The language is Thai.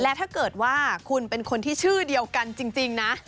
และถ้าเกิดว่าคุณเป็นคนที่ชื่อเดียวกันจริงนะ